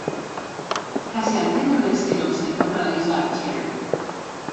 Casi al centro del seno se encuentra la isla Chair.